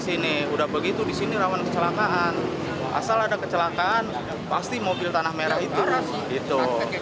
sini udah begitu disini rawan kecelakaan asal ada kecelakaan pasti mobil tanah merah itu itu